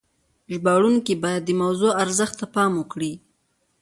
ژباړونکي باید د موضوع ارزښت ته پام وکړي.